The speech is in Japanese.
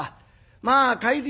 まあ帰り